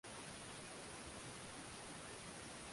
viongozi tunaowapa majukumu madaraka